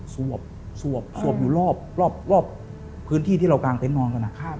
สวบสวบสวบอยู่รอบรอบรอบพื้นที่ที่เรากลางเต็มต์นอนกัน